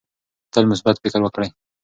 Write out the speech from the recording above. تل مثبت فکر وکړئ.